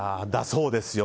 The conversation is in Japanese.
だそうですよ。